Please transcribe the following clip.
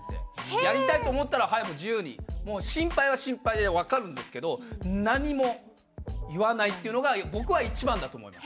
やりたいと思ったら早く自由に心配は心配で分かるんですけど何も言わないっていうのが僕は一番だと思います。